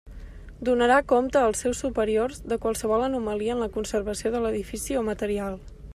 Donarà compte als seus superiors de qualsevol anomalia en la conservació de l'edifici o material.